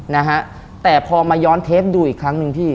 นะฮะแต่พอมาย้อนเทปดูอีกครั้งหนึ่งพี่